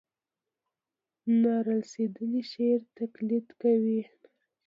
نا رسېدلي شاعر تقلید کوي.